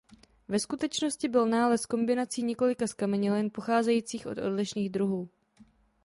Ve skutečnosti byl nález kombinací několika zkamenělin pocházejících od odlišných druhů.